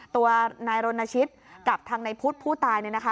ตัวนายโรนชิตกับทางนายพุธผู้ตายเนี่ยนะคะ